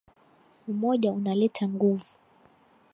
Umoja unaleta nguvu